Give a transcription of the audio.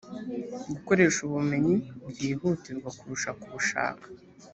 gukoresha ubumenyi byihutirwa kurusha kubushaka